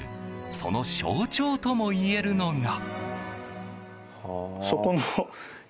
その象徴ともいえるのが。